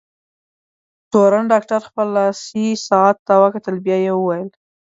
تورن ډاکټر خپل لاسي ساعت ته وکتل، بیا یې وویل: